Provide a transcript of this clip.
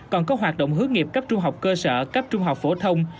còn có hoạt động hướng nghiệp cấp trung học cơ sở cấp trung học phổ thông